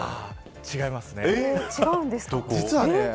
違いますね。